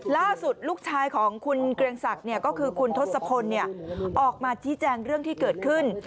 ล่าสุดลูกชายของคุณเกรียงศักดิ์ก็คือคุณทศพลออกมาชี้แจงเรื่องที่เกิดขึ้น